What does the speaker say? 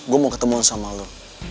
gue mau ketemu sama lo